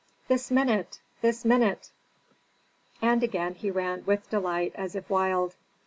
"This minute! this minute!" And again he ran with delight as if wild.